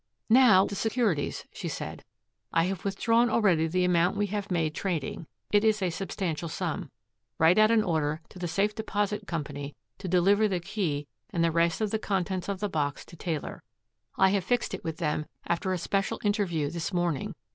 "Now the securities," she said. "I have withdrawn already the amount we have made trading it is a substantial sum. Write out an order to the Safe Deposit Company to deliver the key and the rest of the contents of the box to Taylor. I have fixed it with them after a special interview this morning.